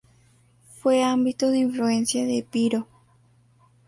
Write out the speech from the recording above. Fue ámbito de influencia de Epiro.